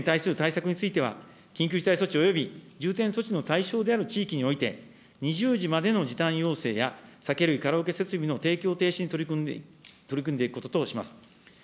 また飲食店に対する対策については、緊急事態措置および重点措置の対象である地域において、２０時までの時短要請や、酒類、カラオケ設備の提供停止に取り組んでいくこととします。